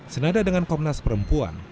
senada dengan komnas perempuan